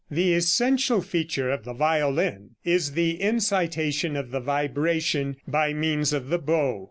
The essential feature of the violin is the incitation of the vibration by means of the bow.